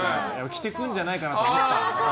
着てくるんじゃないかなと思った。